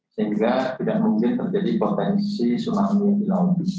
sehingga tidak mungkin terjadi potensi tsunami yang di laut